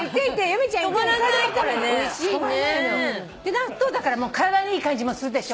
納豆だから体にいい感じもするでしょ